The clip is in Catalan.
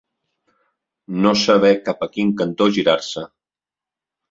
No saber cap a quin cantó girar-se.